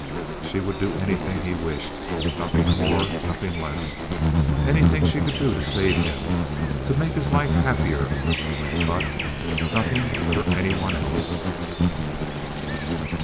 She would do anything he wished, nothing more, nothing less; anything she could do to save him, to make his life happier, but nothing for any one else.